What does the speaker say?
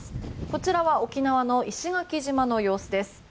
こちらは沖縄の石垣島の様子です。